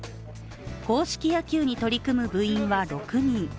硬式野球に取り組む部員は６人。